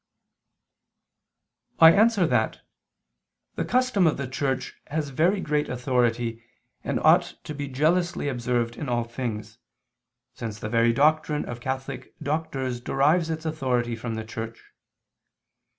I answer that, The custom of the Church has very great authority and ought to be jealously observed in all things, since the very doctrine of catholic doctors derives its authority from the Church.